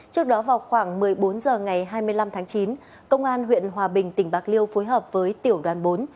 trước đó vào khoảng một mươi bốn h ngày hai mươi năm tháng chín công an huyện hòa bình tỉnh bạc liêu phối hợp với tiểu đoàn bốn